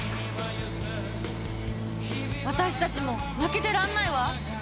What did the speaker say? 私たちも負けてらんないわ！